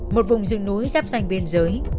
một vùng rừng núi dắp danh làng